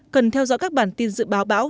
cần theo dõi các bản tin dự báo báo